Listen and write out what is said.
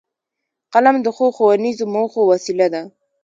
قلم د ښو ښوونیزو موخو وسیله ده